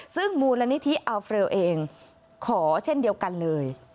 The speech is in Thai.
ซึ่งมูลนิธิอัลเฟรลเองขอเช่นเดียวกันเลย